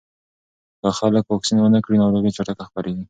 که خلک واکسین ونه کړي، ناروغي چټکه خپرېږي.